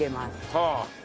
はあ。